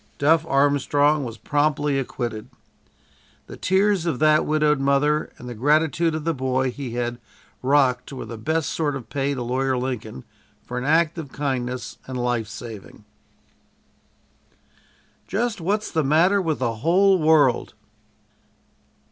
"Duff" Armstrong was promptly acquitted. The tears of that widowed mother and the gratitude of the boy he had rocked were the best sort of pay to Lawyer Lincoln for an act of kindness and life saving. "JUST WHAT'S THE MATTER WITH THE WHOLE WORLD!"